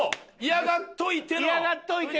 嫌がっといての。